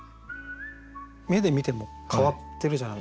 目で見ても変わってるじゃないですか。